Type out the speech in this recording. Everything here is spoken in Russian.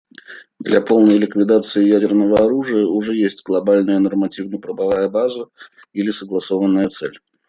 Для полной ликвидации ядерного оружия уже есть глобальная нормативно-правовая база или согласованная цель.